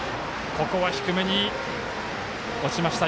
ここは低めに落ちました。